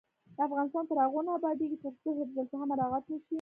افغانستان تر هغو نه ابادیږي، ترڅو حفظ الصحه مراعت نشي.